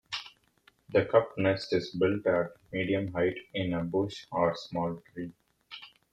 The cup nest is built at medium height in a bush or small tree.